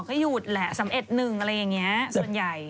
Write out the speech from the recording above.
ก็หยุดแหละ๑๑๑อะไรอย่างนี้ส่วนใหญ่